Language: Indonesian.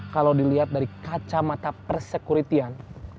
kalau dilihat dari kacamata persekuritian